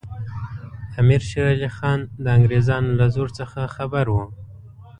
امیر شېر علي خان د انګریزانو له زور څخه خبر وو.